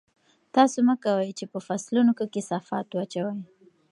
تاسو مه کوئ چې په فصلونو کې کثافات واچوئ.